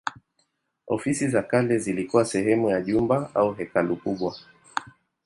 Ofisi za kale zilikuwa sehemu ya jumba au hekalu kubwa.